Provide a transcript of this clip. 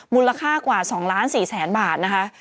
มูลค่ากว่า๒๔๐๐๐๐๐บาทนะคะ